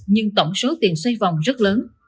nhưng tổng số tiền xoay vòng rất lớn